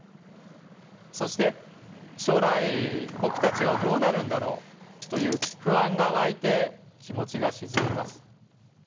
そして将来僕たちはどうなるんだろうという不安がわいて気持ちが沈みます。